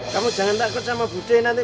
kamu jangan takut sama bude nanti